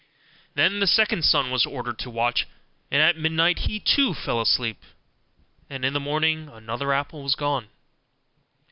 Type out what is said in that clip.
Then the second son was ordered to watch; and at midnight he too fell asleep, and in the morning another apple was gone.